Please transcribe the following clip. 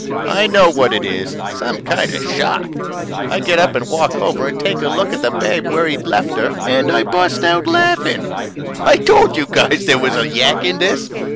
I know what it is some kind of shock. I get up and walk over and take a look at the babe where he'd left her and I bust out laughing. I told you guys there was a yak in this.